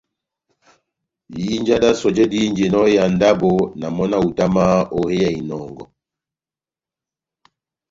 Ihinja d́ sɔjɛ dihínjinɔ ó hé ya ndábo, na mɔ́ na hutamahá ó ya inɔngɔ.